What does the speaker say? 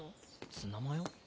ツナマヨ？